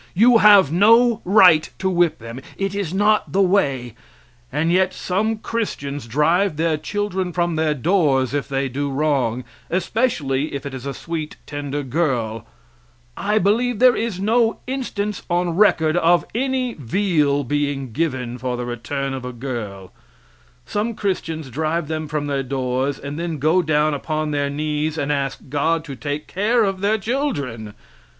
You have no right to whip them. It is not the way; and yet some Christians drive their children from their doors if they do wrong, especially if it is a sweet, tender girl I believe there is no instance on record of any veal being given for the return of a girl some Christians drive them from their doors and then go down upon their knees and ask God to take care of their children!